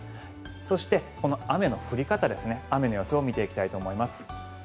そしてこの雨の降り方雨の予想を見ていきたいと思います。